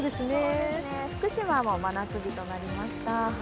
福島も真夏日になりました。